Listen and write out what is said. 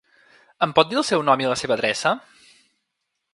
Em pot dir el seu nom i la seva adreça?